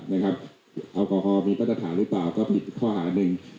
แอลกอฮอลมีมาตรฐานหรือเปล่าก็ผิดข้อหาหนึ่ง